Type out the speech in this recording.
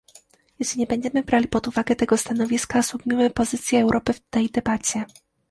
Jeśli nie będziemy brali pod uwagę tego stanowiska, osłabimy pozycję Europy w tej debacie